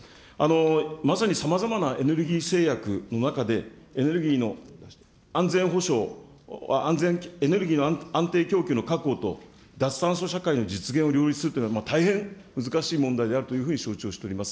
まさにさまざまなエネルギー制約の中で、エネルギーの安全保障、エネルギーの安定供給の確保と、脱炭素社会の実現を両立するというのは、大変難しい問題であるというふうに承知をしております。